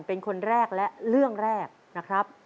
เป็นคนแรกและเรื่องแรกนะครับ